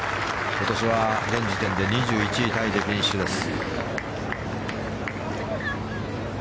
今年は現時点で２１位タイでフィニッシュです。